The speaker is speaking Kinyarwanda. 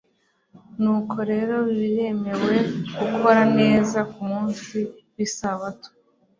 Nuko rero biremewe gukora neza ku munsi w'isabato''`.»